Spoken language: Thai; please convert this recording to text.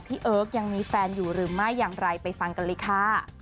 เอิร์กยังมีแฟนอยู่หรือไม่อย่างไรไปฟังกันเลยค่ะ